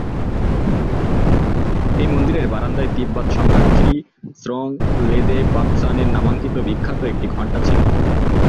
এই মন্দিরের বারান্দায় তিব্বত সম্রাট খ্রি-স্রোং-ল্দে-ব্ত্সানের নামাঙ্কিত বিখ্যাত একটি ঘণ্টা ছিল।